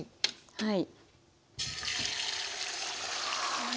はい。